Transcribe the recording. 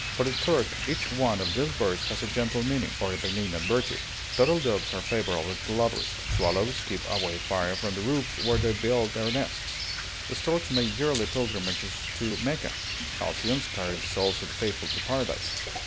For the Turk, each one of these birds has a gentle meaning, or a benignant virtue: turtle doves are favorable to lovers, swallows keep away fire from the roofs where they build their nests, storks make yearly pilgrimages to Mecca, halcyons carry the souls of the faithful to Paradise.